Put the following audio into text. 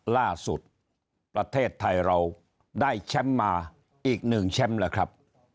ล่าสุดประเทศไทยเราได้แชมป์มาอีกหนึ่งแชมป์แล้วครับ